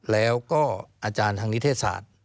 แล้วก็อาจารย์ทางนิเทศศาสตร์